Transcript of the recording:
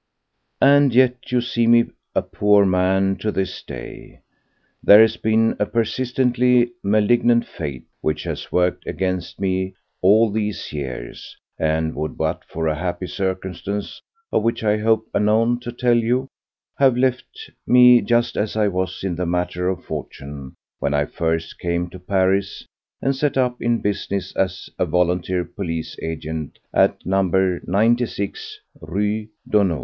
And yet you see me a poor man to this day: there has been a persistently malignant Fate which has worked against me all these years, and would—but for a happy circumstance of which I hope anon to tell you—have left me just as I was, in the matter of fortune, when I first came to Paris and set up in business as a volunteer police agent at No. 96 Rue Daunou.